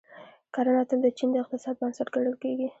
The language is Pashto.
کرنه تل د چین د اقتصاد بنسټ ګڼل کیږي.